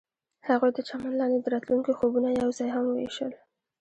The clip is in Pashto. هغوی د چمن لاندې د راتلونکي خوبونه یوځای هم وویشل.